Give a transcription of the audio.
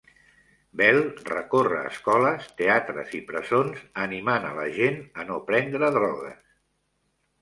Bell recorre escoles, teatres i presons, animant la gent a no prendre drogues.